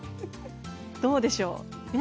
どうでしょうか？